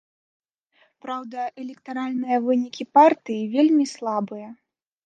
Праўда, электаральныя вынікі партыі вельмі слабыя.